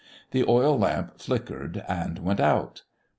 The oil lamp flickered and went out.